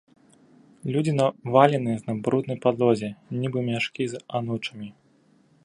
Людзі навалены на бруднай падлозе, нібы мяшкі з анучамі.